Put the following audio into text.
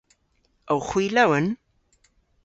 Owgh hwi lowen?